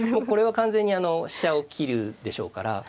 これは完全に飛車を切るでしょうから。